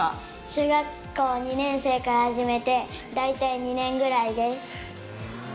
小学校２年生から始めて大体２年ぐらいです。